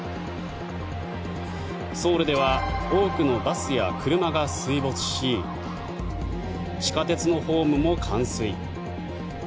ソウルでは多くのバスや車が水没し地下鉄のホームも冠水。